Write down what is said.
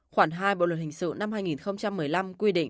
khoảng hai bộ luật hình sự năm hai nghìn một mươi năm quy định